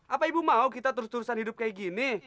apa ibu mau kita terus terusan hidup kayak gini